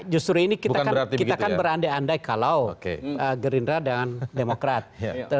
justru ini kita kan berandai andai kalau gerindra dengan demokrat